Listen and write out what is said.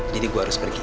jadi gue harus pergi